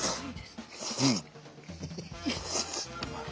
うまい。